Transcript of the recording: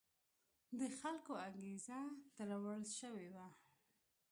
د خلکو انګېزه تروړل شوې وه.